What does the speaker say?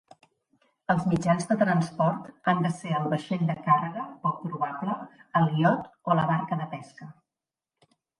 Els mitjans de transport han de ser el vaixell de càrrega -poc probable- el iot o la barca de pesca.